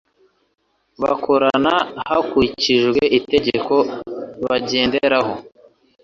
bakorana hakurikijwe itegeko bagenderaho